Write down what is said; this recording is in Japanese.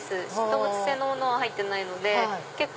動物性のものは入ってないので。